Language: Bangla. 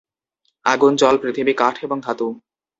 আগুন, জল, পৃথিবী, কাঠ এবং ধাতু!